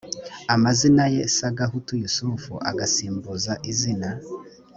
amazina ye sagahutu yusufu agasimbuza izina